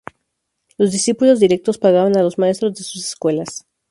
Los discípulos directos pagaban a los maestros de sus escuelas.